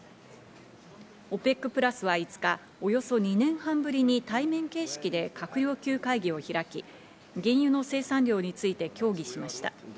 ＯＰＥＣプラスは５日、およそ２年半ぶりに対面形式で閣僚級会議を開き、原油の生産量について協議しました。